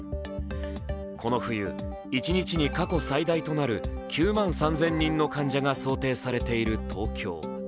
この冬、１日に過去最大となる９万３０００人の感染が想定されている東京。